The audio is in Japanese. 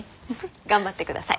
頑張ってください。